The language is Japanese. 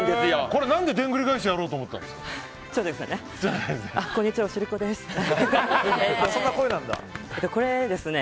これ、何ででんぐり返しをしようと思ったんですか？